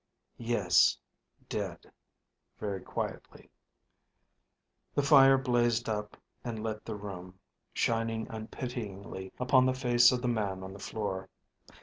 "Yes, dead," very quietly. The fire blazed up and lit the room, shining unpityingly upon the face of the man on the floor.